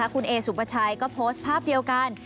คุณเอสุปชัยก็โพสต์ภาพเดียวกัน